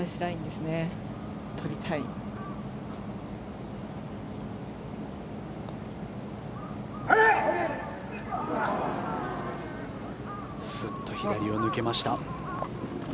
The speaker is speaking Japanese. すっと左を抜けました。